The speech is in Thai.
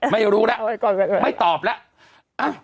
ไม่รู้แล้วไม่ตอบแล้ว